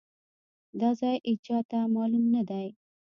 دا ځای ايچاته مالوم ندی.